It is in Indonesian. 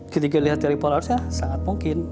ketika melihat dari pola arus sangat mungkin